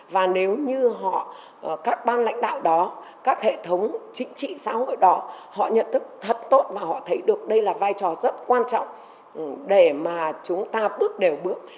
và nếu như họ các ban lãnh đạo đó các hệ thống chính trị xã hội đó họ nhận thức thật tốt và họ thấy được đây là vai trò rất quan trọng để mà chúng ta bước đều bước